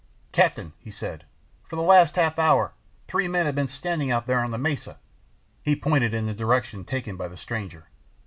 "Captain," he said, "for the last half hour three men have been standing out there on the mesa." He pointed in the direction taken by the stranger.